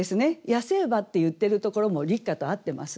「野生馬」って言ってるところも「立夏」と合ってます。